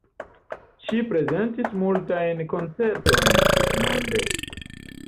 Ŝi prezentis multajn koncertojn tutmonde.